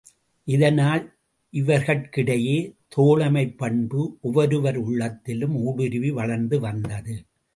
இதனால் இவர்கட்கிடையே தோழமைப் பண்பு ஒவ்வொருவர் உள்ளத்திலும் ஊடுருவி வளர்ந்து வந்தது.